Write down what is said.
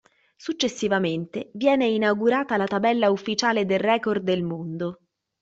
Successivamente viene inaugurata la tabella ufficiale del record del mondo.